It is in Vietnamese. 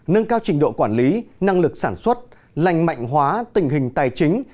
nâng cao trình độ quản lý năng lực sản xuất lành mạnh hóa tình hình tài chính